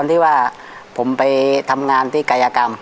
ตอนที่ว่าผมไปทำงานในกายกรรม